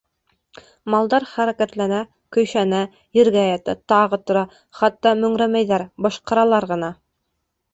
Малдар хәрәкәтләнә, көйшәнә, ергә ята, тағы тора, хатта мөңрәмәйҙәр, бышҡыралар ғына.